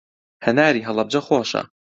هەناری هەڵەبجە خۆشە.